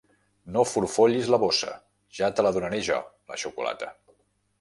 No forfollis la bossa: ja te la donaré jo, la xocolata.